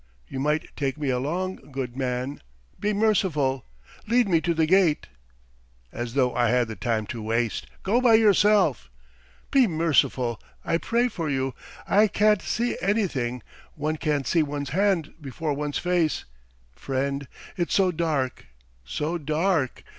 You might take me along, good man! Be merciful! Lead me to the gate." "As though I had the time to waste! Go by yourself!" "Be merciful! I'll pray for you. I can't see anything; one can't see one's hand before one's face, friend. ... It's so dark, so dark!